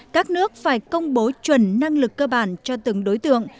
các nước phải công bố chuẩn năng lực cơ bản cho từng đối tượng